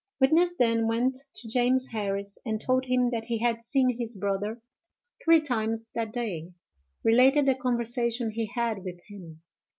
Witness then went to James Harris and told him that he had seen his brother three times that day. Related the conversation he had with him.